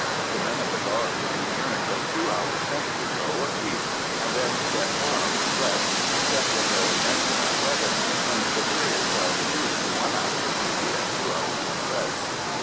The men of the guard do turns of two hours sentry go apiece, and then get four hours' rest, except in very inclement weather, when the periods are reduced to one hour of duty and two hours of rest.